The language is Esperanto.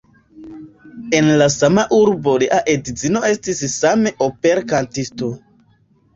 En la sama urbo lia edzino estis same operkantisto.